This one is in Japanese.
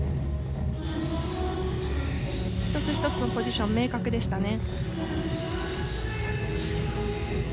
１つ１つのポジション明確でしたね。